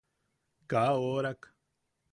Kaa orak.